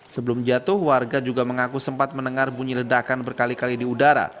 sebelum jatuh warga juga mengaku sempat mendengar bunyi ledakan berkali kali di udara